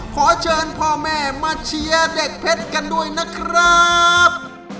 ขอเชิญพ่อแม่มาเชียร์เด็กเพชรกันด้วยนะครับ